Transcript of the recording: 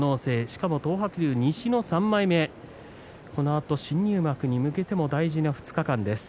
しかも東白龍、西の３枚目このあと新入幕に向けても大事な２日間です。